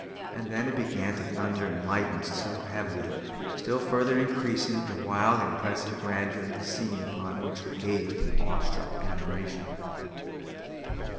And then it began to thunder and lighten heavily, still further increasing the wild and impressive grandeur of the scene upon which we gazed in awe struck admiration.